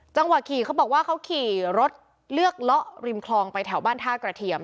จังหวะขี่เขาบอกว่าเขาขี่รถเลือกเลาะริมคลองไปแถวบ้านท่ากระเทียม